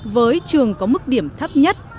với trường có mức điểm thấp nhất